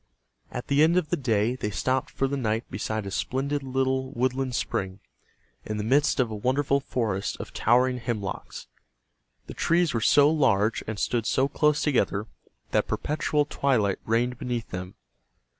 At the end of the day they stopped for the night beside a splendid little woodland spring, in the midst of a wonderful forest of towering hemlocks. The trees were so large and stood so close together that perpetual twilight reigned beneath them.